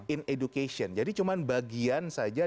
in education jadi cuma bagian saja